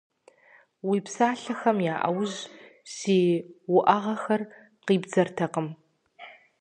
Уи псалъэхэм я Ӏэужь си уӀэгъэхэр къибдзэртэкъым.